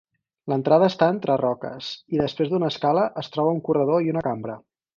L'entrada està entre roques, i després d'una escala es troba un corredor i una cambra.